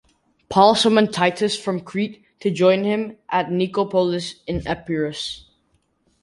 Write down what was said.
Paul summoned Titus from Crete to join him at Nicopolis in Epirus.